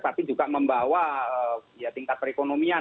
tapi juga membawa tingkat perekonomian